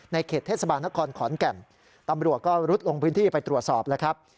เขตเทศบาลนครขอนแก่นตำรวจก็รุดลงพื้นที่ไปตรวจสอบแล้วครับ